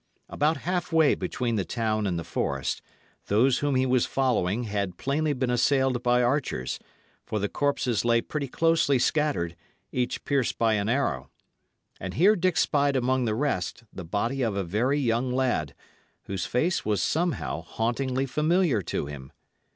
About half way between the town and the forest, those whom he was following had plainly been assailed by archers; for the corpses lay pretty closely scattered, each pierced by an arrow. And here Dick spied among the rest the body of a very young lad, whose face was somehow hauntingly familiar to him.